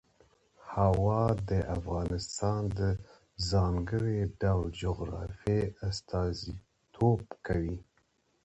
هوا د افغانستان د ځانګړي ډول جغرافیه استازیتوب کوي.